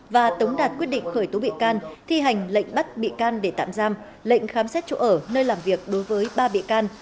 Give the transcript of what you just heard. và tống đạt quyết định khởi tố bị can thi hành lệnh bắt bị can để tạm giam lệnh khám xét chỗ ở nơi làm việc đối với ba bị can